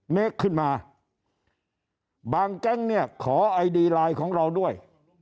เมคขึ้นมาบางแก๊งเนี่ยขอไอดีไลน์ของเราด้วย